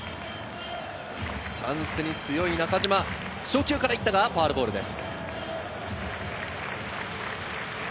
チャンスに強い中島、初球から行ったがファウルボールです。